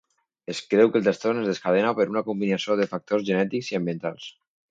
Es creu que el trastorn es desencadena per una combinació de factors genètics i ambientals.